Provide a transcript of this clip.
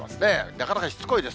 なかなかしつこいです。